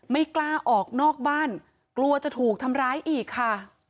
ไม่กล้าออกนอกบ้านกลัวจะถูกทำร้ายอีกค่ะ